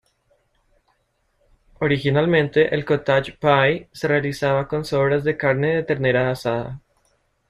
Originalmente, el "cottage pie" se realizaba con sobras de carne de ternera asada.